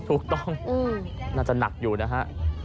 ถูกต้องน่าจะหนักอยู่นะฮะ